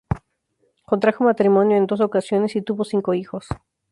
Contrajo matrimonio en dos ocasiones y tuvo cinco hijos.